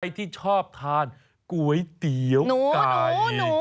ที่ชอบทานก๋วยเตี๋ยวไก่